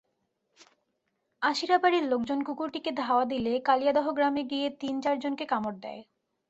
আশিরাবাড়ির লোকজন কুকুরটিকে ধাওয়া দিলে কালিয়াদহ গ্রামে গিয়ে তিন-চারজনকে কামড় দেয়।